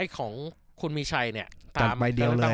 ของคุณมีชัย